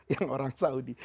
yang orang saudi